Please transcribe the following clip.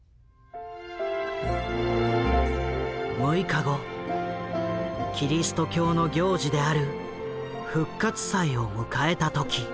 ６日後キリスト教の行事である復活祭を迎えた時。